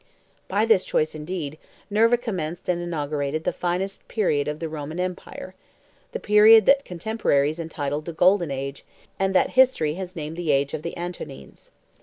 By this choice, indeed, Nerva commenced and inaugurated the finest period of the Roman empire, the period that contemporaries entitled the golden age, and that history has named the age of the Antonines.